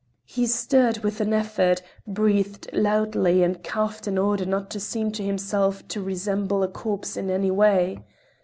He stirred with an effort, breathed loudly and coughed in order not to seem to himself to resemble a corpse in any way.